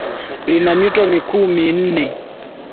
lina mito mikuu minne ambayo ni